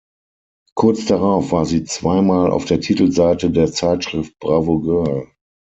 Kurz darauf war sie zweimal auf der Titelseite der Zeitschrift Bravo Girl.